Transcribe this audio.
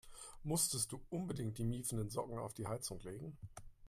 Musstest du unbedingt die miefenden Socken auf die Heizung legen?